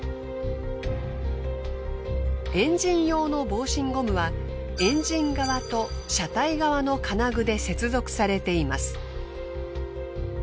エンジン用の防振ゴムはエンジン側と車体側の金具で接続されています。